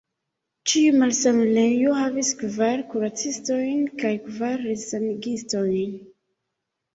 Ĉiu malsanulejo havis kvar kuracistojn kaj kvar resanigistojn.